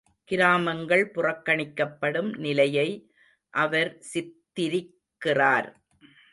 கிராமங்கள் புறக்கணிக்கப்படும் நிலையை அவர் சித்திரிக்கிறார்.